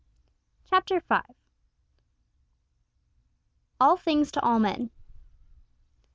CHAPTER FIVE. ALL THINGS TO ALL MEN.